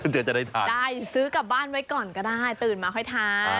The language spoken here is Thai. จะได้ทานได้ซื้อกลับบ้านไว้ก่อนก็ได้ตื่นมาค่อยทาน